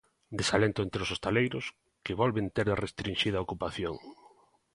Desalento entre os hostaleiros, que volven ter restrinxida a ocupación.